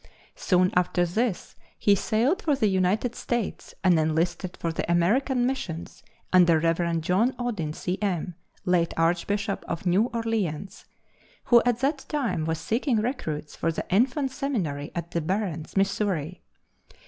Soon after this he sailed for the United States and enlisted for the American missions under Rev. John Odin, C. M., late Archbishop of New Orleans, who at that time was seeking recruits for the infant seminary at the Barrens, Missouri.